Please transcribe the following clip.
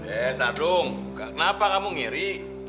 eh sadung kenapa kamu ngiri